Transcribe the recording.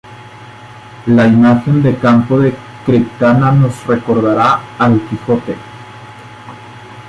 La imagen de Campo de Criptana nos recordará al Quijote.